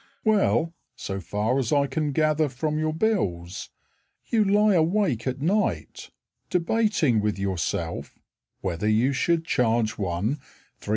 Well, So far as I can gather from your bills, You lie awake at night Debating with yourself Whether you should charge one 3s.